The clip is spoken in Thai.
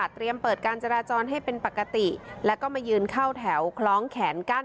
เปิดการจราจรให้เป็นปกติแล้วก็มายืนเข้าแถวคล้องแขนกั้น